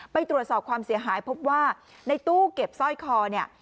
ไปตรวจสอบความเสียหายพบว่าในตู้เก็บสร้อยคอเนี่ย